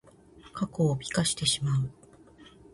過去を美化してしまう。